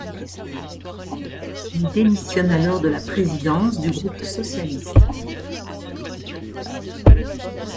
Il démissionne alors de la présidence du groupe socialiste.